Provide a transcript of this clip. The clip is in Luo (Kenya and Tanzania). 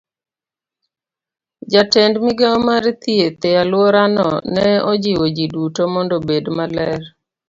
Jatend migao mar thieth e alworano ne ojiwo ji duto mondo obed maler